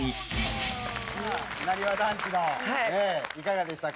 なにわ男子のいかがでしたか？